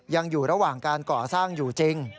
ยังอยู่ระหว่างการก่อสร้างอยู่จริง